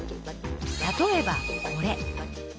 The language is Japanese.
例えばこれ。